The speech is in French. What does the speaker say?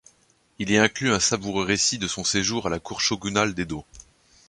Il y inclut un savoureux récit de son séjour à la cour shogunale d'Edo.